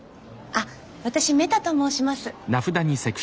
あっ私メタと申します。